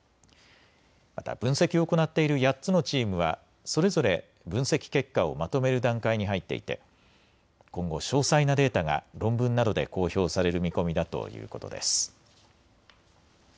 また分析を行っている８つのチームはそれぞれ分析結果をまとめる段階に入っていて今後、詳細なデータが論文などで公表される見込みだということです。